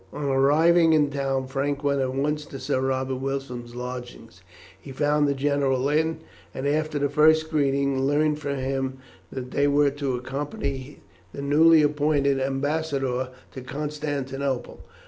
On arriving in town Frank went at once to Sir Robert Wilson's lodging. He found the general in, and after the first greetings, learned from him that they were to accompany the newly appointed ambassador to Constantinople.